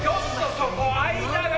そこ！間が！